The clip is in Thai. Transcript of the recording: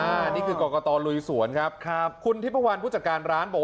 อันนี้คือก๋อกก่อตอลุยสวนครับครับคุณทิศภวัลพุธจักรร้านบอกว่า